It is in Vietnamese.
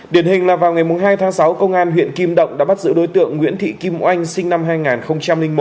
điển hình là vào ngày hai tháng sáu công an huyện kim động đã bắt giữ đối tượng nguyễn thị kim oanh sinh năm hai nghìn một